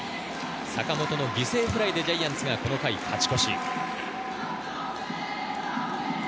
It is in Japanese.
坂本の犠牲フライでジャイアンツがこの回勝ち越し。